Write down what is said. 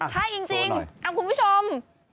ใช่จริงคุณผู้ชม